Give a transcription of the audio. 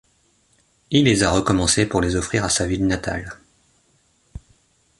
Il les a recommencées pour les offrir à sa ville natale.